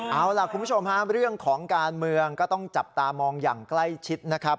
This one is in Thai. เอาล่ะคุณผู้ชมฮะเรื่องของการเมืองก็ต้องจับตามองอย่างใกล้ชิดนะครับ